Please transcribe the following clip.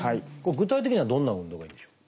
具体的にはどんな運動がいいんでしょう？